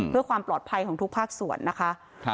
เพื่อความปลอดภัยของทุกภาคส่วนนะคะ